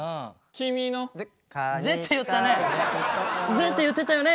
「ぜ」って言ったね！